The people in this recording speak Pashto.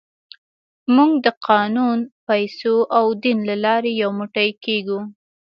موږ د قانون، پیسو او دین له لارې یو موټی کېږو.